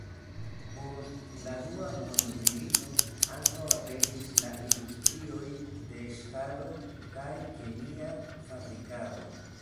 Post la dua mondmilito ankaŭ aperis la industrioj de ŝtalo kaj kemia fabrikado.